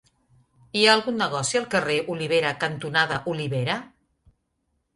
Hi ha algun negoci al carrer Olivera cantonada Olivera?